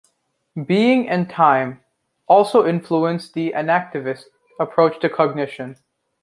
"Being and Time" also influenced the enactivist approach to cognition.